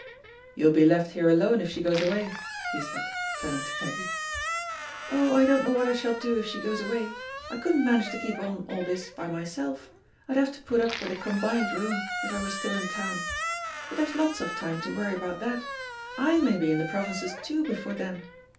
"You'll be left here alone if she goes away?" he said, turning to Peggy. "Oh, I don't know what I shall do if she goes away — I couldn't manage to keep on all this by myself; I'd have to put up with a combined room if I was still in town. But there's lots of time to worry about that, I may be in the provinces too before then.